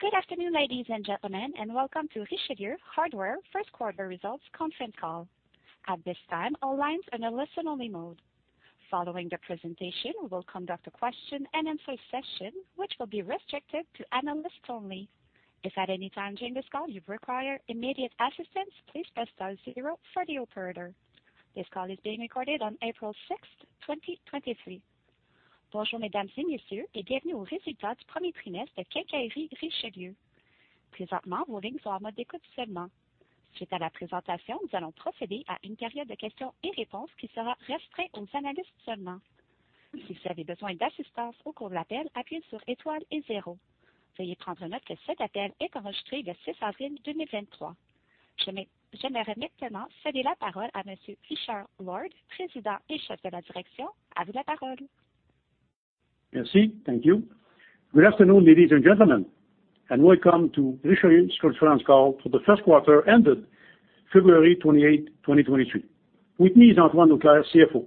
Good afternoon, ladies and gentlemen, and welcome to Richelieu Hardware first quarter results conference call. At this time, all lines in a listen-only mode. Following the presentation, we will conduct a question-and-answer session, which will be restricted to analysts only. If at any time during this call you require immediate assistance, please press star zero for the operator. This call is being recorded on April 6th, 2023. Merci. Thank you. Good afternoon, ladies and gentlemen, and welcome to Richelieu's conference call for the first quarter ended February 28, 2023. With me is Antoine Auclair, CFO.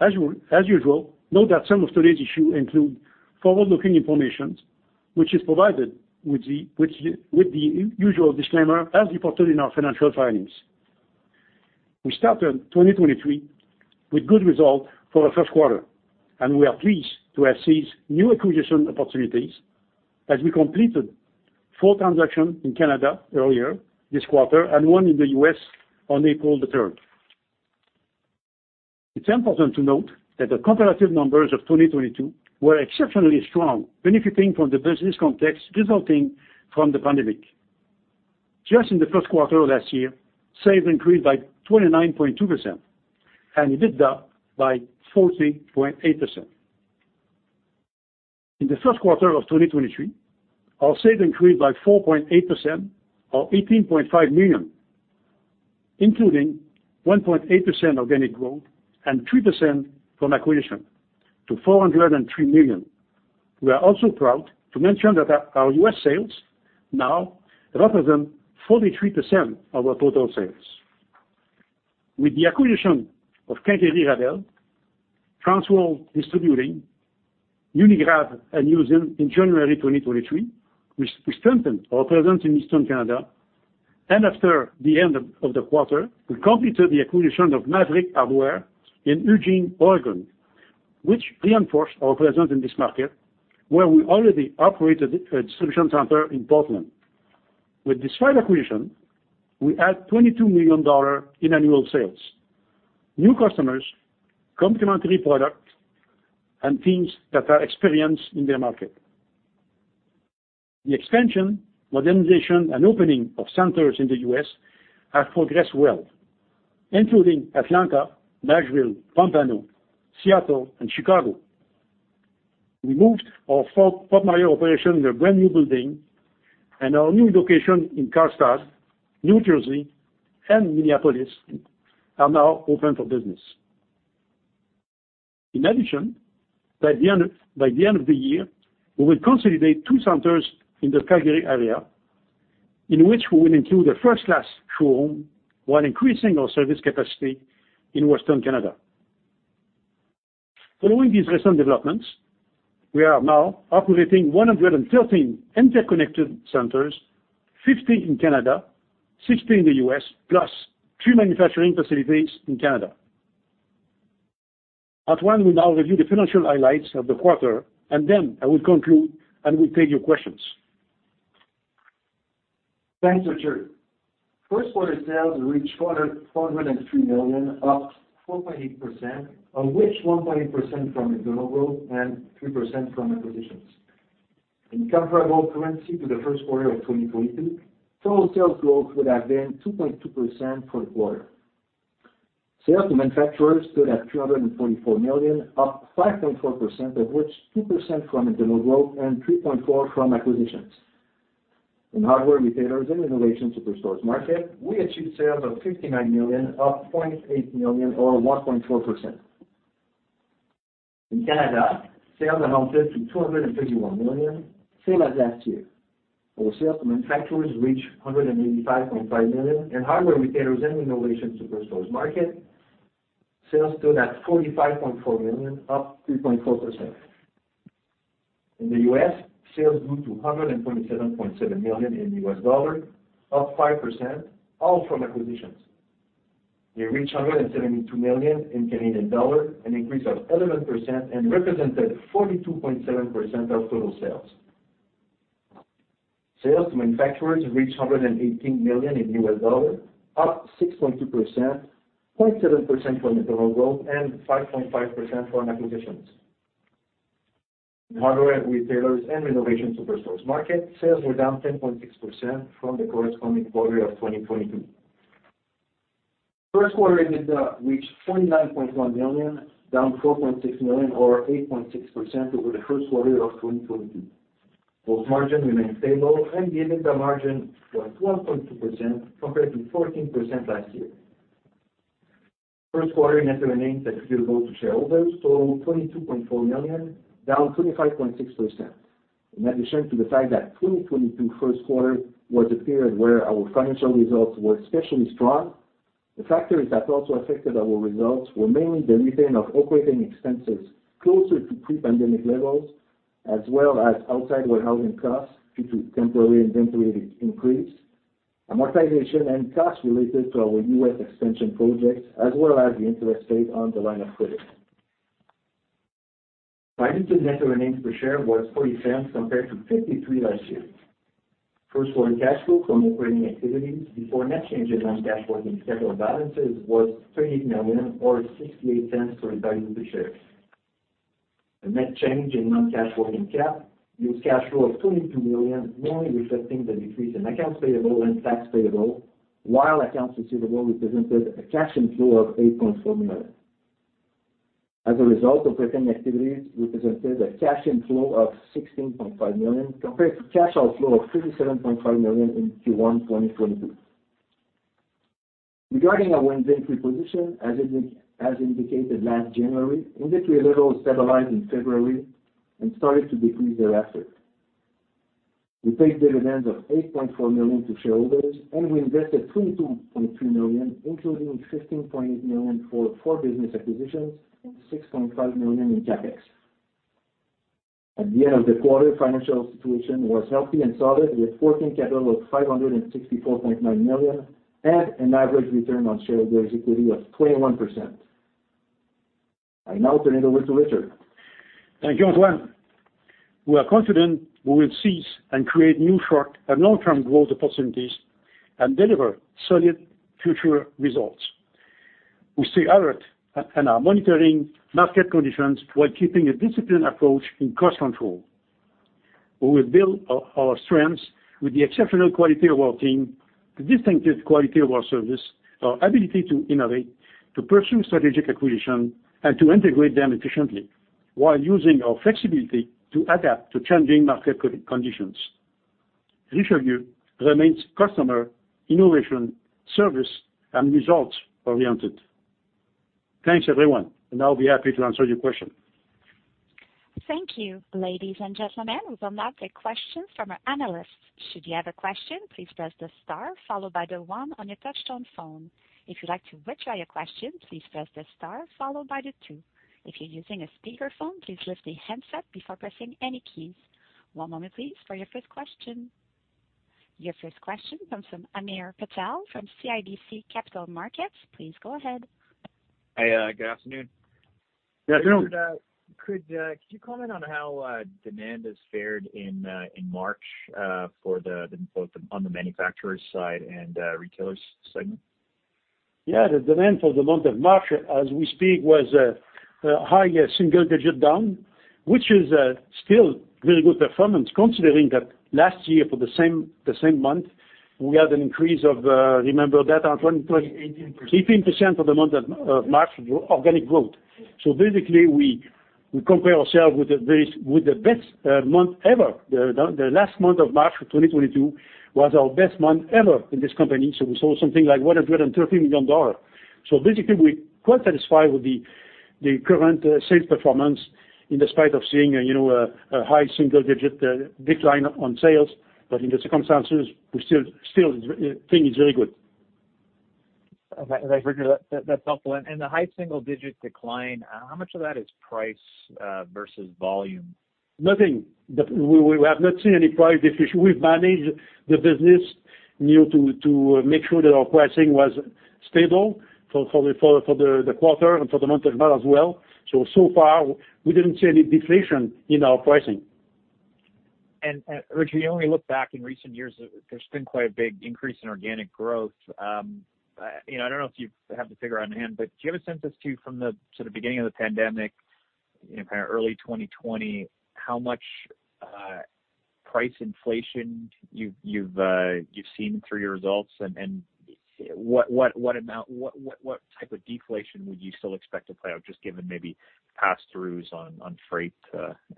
As usual, note that some of today's issue include forward-looking informations which is provided with the usual disclaimer as reported in our financial filings. We started 2023 with good result for the first quarter, and we are pleased to have seized new acquisition opportunities as we completed four transactions in Canada earlier this quarter and one in the U.S. on April 3. It's important to note that the comparative numbers of 2022 were exceptionally strong, benefiting from the business context resulting from the pandemic. Just in the first quarter of last year, sales increased by 29.2% and EBITDA by 14.8%. In the first quarter of 2023, our sales increased by 4.8% or 18.5 million, including 1.8% organic growth and 3% from acquisition to 403 million. We are also proud to mention that our U.S. sales now represent 43% of our total sales. With the acquisition of Quincaillerie Rabel Inc., Trans-World Distributing, Unigrav and Usimm in January 2023, we strengthened our presence in Eastern Canada. After the end of the quarter, we completed the acquisition of Maverick Hardware in Eugene, Oregon, which reinforced our presence in this market, where we already operated a distribution center in Portland. With these five acquisitions, we add 22 million dollars in annual sales, new customers, complementary product, and teams that are experienced in their market. The expansion, modernization, and opening of centers in the U.S. have progressed well, including Atlanta, Nashville, Pompano, Seattle, and Chicago. We moved our Fort Myers operation to a brand-new building, and our new location in Carlstadt, New Jersey, and Minneapolis are now open for business. In addition, by the end of the year, we will consolidate two centers in the Calgary area, in which we will include a first-class showroom while increasing our service capacity in Western Canada. Following these recent developments, we are now operating 113 interconnected centers, 50 in Canada, 60 in the U.S., +2 manufacturing facilities in Canada. Antoine will now review the financial highlights of the quarter, and then I will conclude, and we'll take your questions. Thanks, Richard. First quarter sales reached 403 million, up 4.8%, of which 1.8% from internal growth and 3% from acquisitions. In comparable currency to Q1 2022, total sales growth would have been 2.2% for the quarter. Sales to manufacturers stood at 344 million, up 5.4% of which 2% from internal growth and 3.4% from acquisitions. In hardware retailers and renovation superstores market, we achieved sales of 59 million, up 0.8 million or 1.4%. In Canada, sales amounted to 251 million, same as last year. Our sales to manufacturers reached 185.5 million. In hardware retailers and renovation superstores market, sales stood at 45.4 million, up 2.4%. In the U.S., sales grew to $127.7 million, up 5%, all from acquisitions. They reached 172 million, an increase of 11% and represented 42.7% of total sales. Sales to manufacturers reached $118 million, up 6.2%, 0.7% from internal growth, and 5.5% from acquisitions. In hardware retailers and renovation superstores market, sales were down 10.6% from the corresponding quarter of 2022. First quarter EBITDA reached 29.1 million, down 4.6 million or 8.6% over the first quarter of 2022. Gross margin remained stable, and the EBITDA margin was 12.2% compared to 14% last year. First quarter net earnings attributable to shareholders totaled 22.4 million, down 25.6%. In addition to the fact that 2022 first quarter was a period where our financial results were especially strong. The factors that also affected our results were mainly the retain of operating expenses closer to pre-pandemic levels, as well as outside warehousing costs due to temporary inventory increase, amortization and costs related to our U.S. expansion projects, as well as the interest rate on the line of credit. Diluted net earnings per share was 0.40 compared to 0.53 last year. First quarter cash flow from operating activities before net change in non-cash working capital balances was 38 million or 0.68 per value per share. The net change in non-cash working cap used cash flow of 22 million, mainly reflecting the decrease in accounts payable and tax payable, while accounts receivable represented a cash inflow of 8.4 million. As a result of operating activities represented a cash inflow of 16.5 million compared to cash outflow of 37.5 million in Q1 2022. Regarding our working free position, as indicated last January, inventory levels stabilized in February and started to decrease thereafter. We paid dividends of 8.4 million to shareholders, and we invested 22.3 million, including 16.8 million for four business acquisitions and 6.5 million in CapEx. At the end of the quarter, financial situation was healthy and solid, with working capital of 564.9 million and an average return on shareholders' equity of 21%. I now turn it over to Richard. Thank you, Antoine. We are confident we will seize and create new short and long-term growth opportunities and deliver solid future results. We stay alert and are monitoring market conditions while keeping a disciplined approach in cost control. We will build our strengths with the exceptional quality of our team, the distinctive quality of our service, our ability to innovate, to pursue strategic acquisition and to integrate them efficiently, while using our flexibility to adapt to changing market conditions. Richelieu remains customer, innovation, service, and results-oriented. Thanks, everyone. I'll be happy to answer your question. Thank you. Ladies and gentlemen, we will now take questions from our analysts. Should you have a question, please press the star followed by the one on your touchtone phone. If you'd like to withdraw your question, please press the star followed by the two. If you're using a speakerphone, please lift the handset before pressing any keys. One moment please for your first question. Your first question comes from Hamir Patel from CIBC Capital Markets. Please go ahead. Hi, good afternoon. Good afternoon. Could, could you comment on how demand has fared in March for the both on the manufacturer's side and retailers segment? Yeah. The demand for the month of March as we speak, was high single digit down, which is still really good performance considering that last year for the same month, we had an increase of, remember that, Antoine? 18%. 18% for the month of March organic growth. Basically we compare ourselves with the base, with the best month ever. The last month of March 2022 was our best month ever in this company. We sold something like 113 million dollars. Basically we're quite satisfied with the current sales performance in despite of seeing, you know, a high single digit decline on sales. In the circumstances, we still thing is very good. Okay. Richard, that's helpful. The high single digit decline, how much of that is price versus volume? Nothing. We have not seen any price deflation. We've managed the business, you know, to make sure that our pricing was stable for the quarter and for the month of March as well. So far we didn't see any deflation in our pricing. Richard, you only look back in recent years, there's been quite a big increase in organic growth. You know, I don't know if you have the figure on hand, but do you have a sense as to, from the sort of beginning of the pandemic, you know, kind of early 2020, how much price inflation you've seen through your results and what amount, what type of deflation would you still expect to play out just given maybe pass-throughs on freight,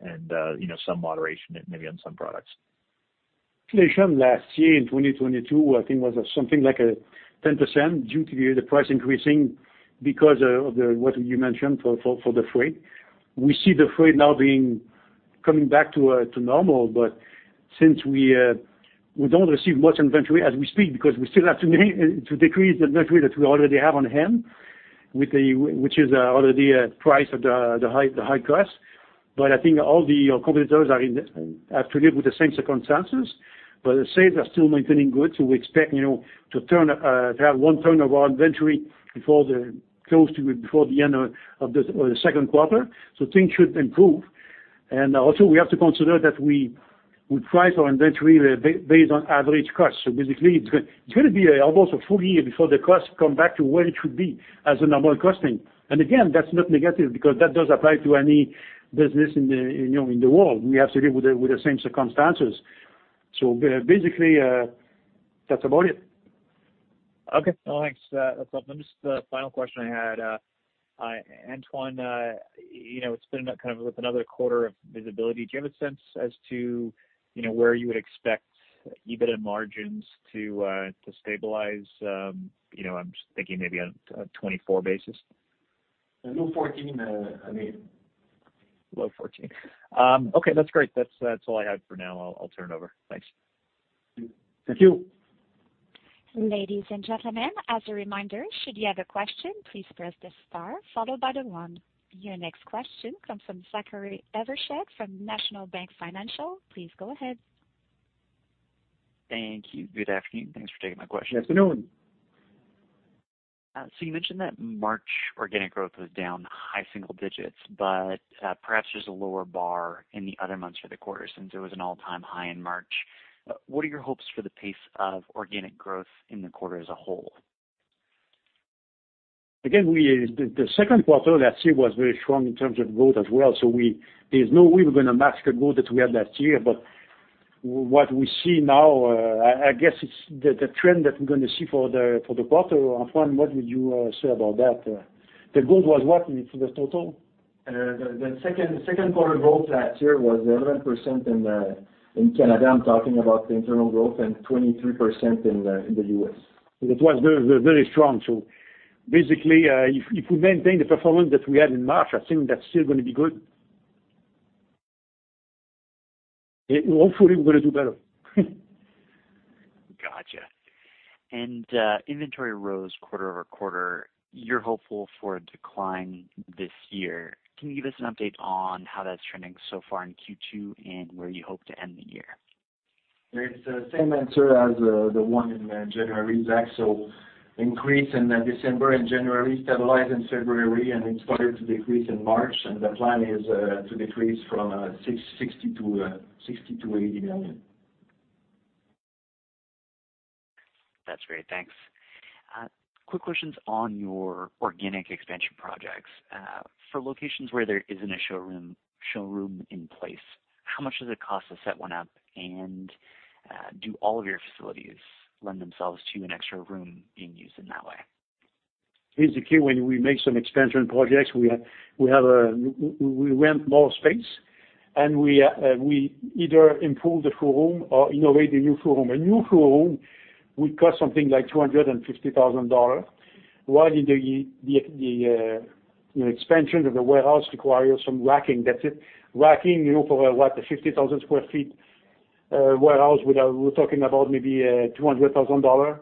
and you know, some moderation maybe on some products? Inflation last year in 2022, I think was something like 10% due to the price increasing because of the what you mentioned for the freight. We see the freight now being, coming back to normal. We don't receive much inventory as we speak because we still have to decrease the inventory that we already have on hand with the, which is already a price at the high cost. All the competitors are in the have to live with the same circumstances. The sales are still maintaining good, we expect, you know, to turn to have one turnover on inventory close to before the end of the second quarter. Things should improve. Also we have to consider that we price our inventory based on average cost. Basically it's going to be almost a full year before the cost come back to where it should be as a normal costing. Again, that's not negative because that does apply to any business in the, you know, in the world. We have to live with the same circumstances. Basically, that's about it. Okay. No, thanks. That's helpful. Just the final question I had, Antoine, you know, it's been kind of with another quarter of visibility. Do you have a sense as to, you know, where you would expect EBIT and margins to stabilize? You know, I'm just thinking maybe on a 2024 basis. No 14, Hamir. Below 14. Okay, that's great. That's all I have for now. I'll turn it over. Thanks. Thank you. Ladies and gentlemen, as a reminder, should you have a question, please press the star followed by the one. Your next question comes from Zachary Evershed from National Bank Financial. Please go ahead. Thank you. Good afternoon. Thanks for taking my question. Good afternoon. You mentioned that March organic growth was down high single digits, but perhaps there's a lower bar in the other months for the quarter since it was an all-time high in March. What are your hopes for the pace of organic growth in the quarter as a whole? Again, the second quarter last year was very strong in terms of growth as well. there's no way we're gonna match the growth that we had last year. what we see now, I guess it's the trend that we're gonna see for the quarter. Antoine, what would you say about that? The growth was what for the total? The second quarter growth last year was 11% in Canada. I'm talking about the internal growth and 23% in the U.S. It was very, very strong. Basically, if we maintain the performance that we had in March, I think that's still gonna be good. Hopefully, we're gonna do better. Gotcha. Inventory rose quarter-over-quarter. You're hopeful for a decline this year. Can you give us an update on how that's trending so far in Q2 and where you hope to end the year? It's the same answer as the one in January, Zach. Increase in December and January, stabilize in February, and it started to decrease in March. The plan is to decrease from 660 million to 60 million-80 million. That's great. Thanks. Quick questions on your organic expansion projects. For locations where there isn't a showroom in place, how much does it cost to set one up? Do all of your facilities lend themselves to an extra room being used in that way? Basically, when we make some expansion projects, we have, we have, we rent more space, and we either improve the showroom or innovate the new showroom. A new showroom would cost something like $250,000, while you know, expansion of the warehouse requires some racking. That's it. Racking, you know, for, what, a 50,000 sq ft warehouse, we are talking about maybe $200,000.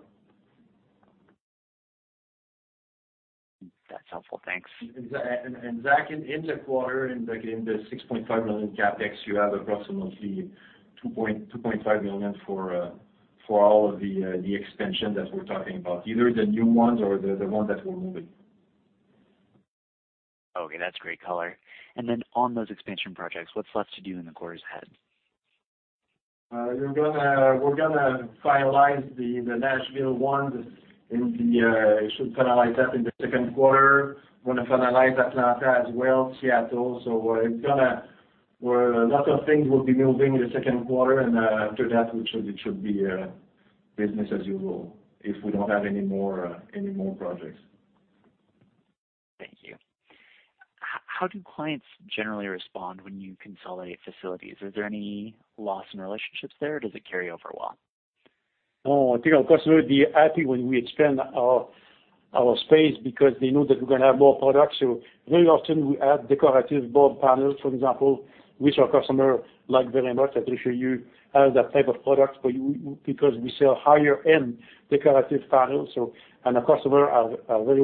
That's helpful. Thanks. Zach, and Zach in the quarter, in the 6.5 million CapEx, you have approximately 2.5 million for all of the expansion that we're talking about, either the new ones or the ones that we're moving. Okay, that's great color. Then on those expansion projects, what's left to do in the quarters ahead? We're gonna finalize the Nashville one in the should finalize that in the second quarter. We're gonna finalize Atlanta as well, Seattle. Well, a lot of things will be moving in the second quarter. After that, it should be business as usual if we don't have any more projects. Thank you. How do clients generally respond when you consolidate facilities? Is there any loss in relationships there, or does it carry over well? Oh, I think our customer would be happy when we expand our space because they know that we're gonna have more products. Very often we add decorative board panels, for example, which our customer like very much. I can show you that type of product for you because we sell higher end decorative panels. Our customer are very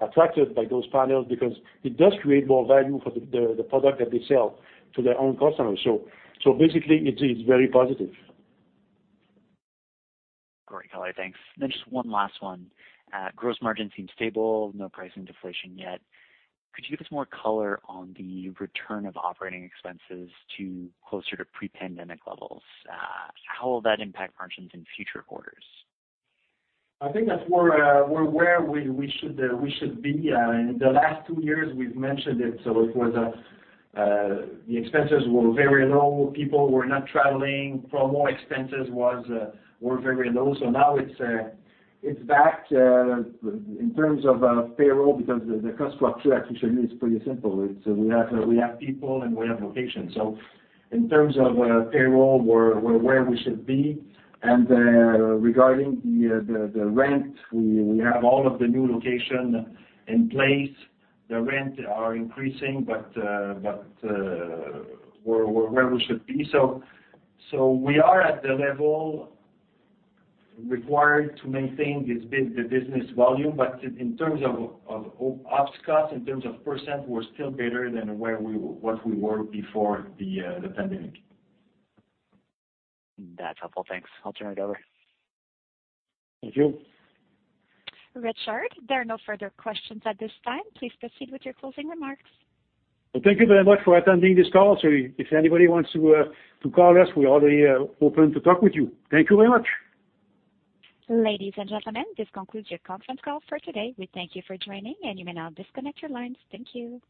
well attracted by those panels because it does create more value for the product that they sell to their own customers. Basically, it's very positive. Great color. Thanks. Just one last one. Gross margin seems stable, no price and deflation yet. Could you give us more color on the return of operating expenses to closer to pre-pandemic levels? How will that impact margins in future quarters? I think that we're where we should, we should be. In the last two years, we've mentioned it. It was, the expenses were very low. People were not traveling. Promo expenses was, were very low. Now it's back in terms of payroll because the cost structure, as we showed you, is pretty simple. It's we have people and we have locations. In terms of payroll, we're where we should be. Regarding the rent, we have all of the new location in place. The rent are increasing, but we're where we should be. We are at the level required to maintain this the business volume. In terms of ops cost, in terms of %, we're still better than where we what we were before the pandemic. That's helpful. Thanks. I'll turn it over. Thank you. Richard, there are no further questions at this time. Please proceed with your closing remarks. Well, thank you very much for attending this call. If anybody wants to call us, we are really open to talk with you. Thank you very much. Ladies and gentlemen, this concludes your conference call for today. We thank you for joining, and you may now disconnect your lines. Thank you.